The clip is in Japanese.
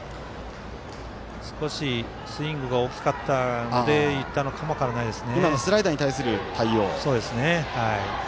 少しスイングが大きかったんでいったのかもしれないですね。